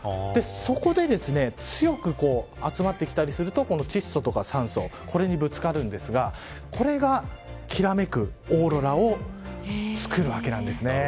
そこで強く集まってきたりすると窒素や酸素にぶつかるんですがこれが、きらめくオーロラを作るわけなんですね。